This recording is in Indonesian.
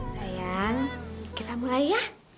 sayang kita mulai ya